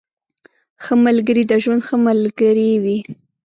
ښه ملګري د ژوند ښه ملګري وي.